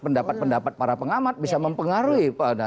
pendapat pendapat para pengamat bisa mempengaruhi